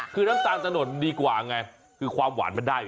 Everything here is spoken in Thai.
คือน้ำตาลถนนดีกว่าไงคือความหวานมันได้